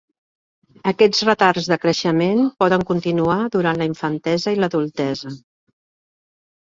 Aquests retards de creixement poden continuar durant la infantesa i l'adultesa.